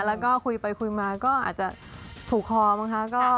แล้วก็คุยไปคุยมาก็อาจจะถูกคอมั้งคะ